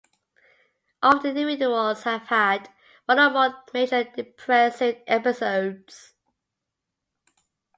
Often, individuals have had one or more major depressive episodes.